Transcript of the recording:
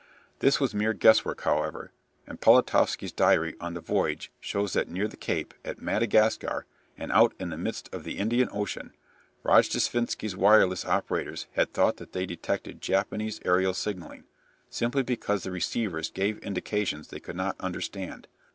This was mere guesswork, however, and Politovsky's diary of the voyage shows that near the Cape, at Madagascar, and out in the midst of the Indian Ocean, Rojdestvensky's wireless operators had thought that they detected Japanese aerial signalling, simply because the receivers gave indications they could not understand.